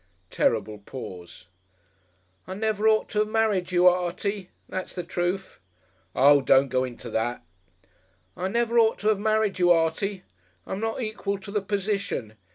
Terrible pause. "I never ought to 'ave merried you, Artie, that's the troof." "Oh! don't go into that." "I never ought to 'ave merried you, Artie. I'm not equal to the position.